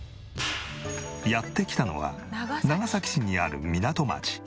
やって来たのは長崎市にある港町。